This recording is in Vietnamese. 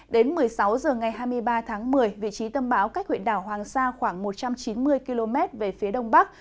đến một mươi sáu h ngày hai mươi ba tháng một mươi vị trí tâm báo cách huyện đảo hoàng sa khoảng một trăm chín mươi km về phía đông bắc